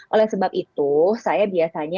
oleh sebab itu saya biasanya